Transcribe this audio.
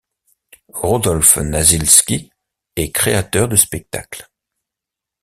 Rodolph Nasillski est créateur de spectacles.